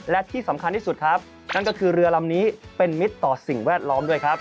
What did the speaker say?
และที่สำคัญที่สุดครับนั่นก็คือเรือลำนี้เป็นมิตรต่อสิ่งแวดล้อมด้วยครับ